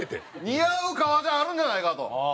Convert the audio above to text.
似合う革ジャンあるんじゃないかと。